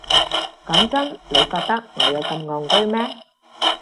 講真，你覺得我有咁戇居咩？